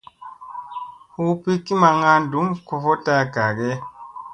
Hu pikki maŋga ɗum kofoɗta gage ?